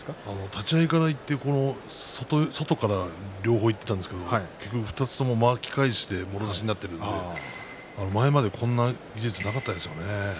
立ち合いからいって外から両方いったんですけど２つとも巻き返してもろ差しになっているので前までこんな技術、なかったですよね。